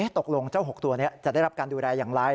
ตกลงเจ้า๖ตัวนี้จะได้รับการดูแลอย่างไร